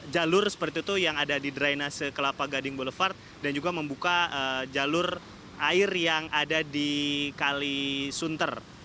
jalur seperti itu yang ada di drainase kelapa gading boulevard dan juga membuka jalur air yang ada di kalisunter